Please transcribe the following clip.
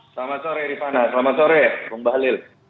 selamat sore rifana selamat sore bung bahlil